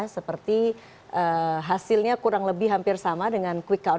seperti hasilnya kurang lebih hampir sama dengan quick count